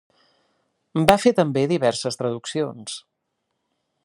Va fer també diverses traduccions.